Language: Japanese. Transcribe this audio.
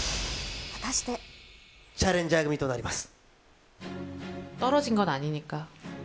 チャレンジャー組となります。